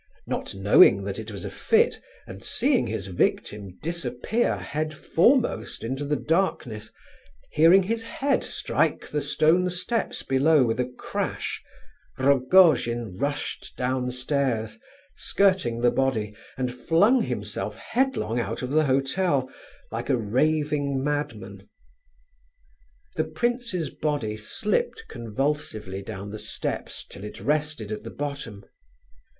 Not knowing that it was a fit, and seeing his victim disappear head foremost into the darkness, hearing his head strike the stone steps below with a crash, Rogojin rushed downstairs, skirting the body, and flung himself headlong out of the hotel, like a raving madman. The prince's body slipped convulsively down the steps till it rested at the bottom.